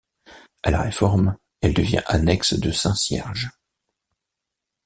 A la Réforme, elle devient annexe de Saint-Cierges.